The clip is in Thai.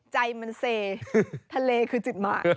ใจมันเซทะเลคือจิตหมาก